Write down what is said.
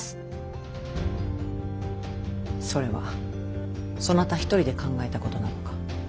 それはそなた一人で考えたことなのか？